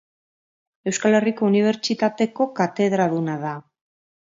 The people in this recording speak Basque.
Euskal Herriko Unibertsitateko katedraduna da.